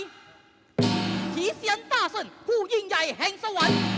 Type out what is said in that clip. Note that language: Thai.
เขียนต้าเส้นผู้ยิ่งใหญ่แห่งสวรรค์